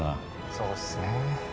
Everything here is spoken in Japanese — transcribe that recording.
そうっすねえ。